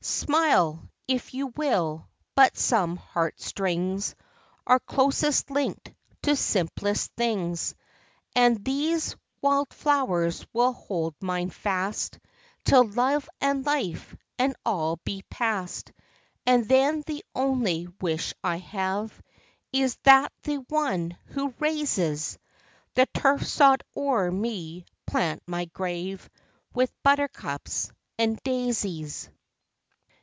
Smile, if you will, but some heart strings Are closest linked to simplest things ; And these wild flowers will hold mine fast, Till love, and life, and all be past; And then the only wish I have Is, that the one who raises The turf sod oŌĆÖer me, plant my grave With ŌĆ£Buttercups and Daisies.